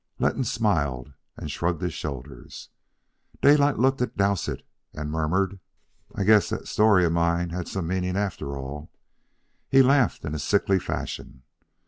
Letton smiled and shrugged his shoulders. Daylight looked at Dowsett and murmured: "I guess that story of mine had some meaning, after all." He laughed in a sickly fashion.